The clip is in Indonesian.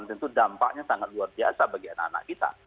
tentu dampaknya sangat luar biasa bagi anak anak kita